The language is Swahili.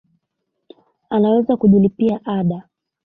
Ameweza kujilipia ada